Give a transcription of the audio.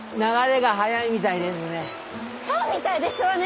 そうみたいですわね。